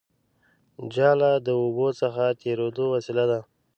جاله د اوبو څخه تېرېدو وسیله ده